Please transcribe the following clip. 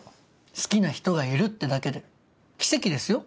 好きな人がいるってだけで奇跡ですよ？